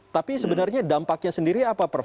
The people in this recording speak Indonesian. tapi sebenarnya dampaknya sendiri apa prof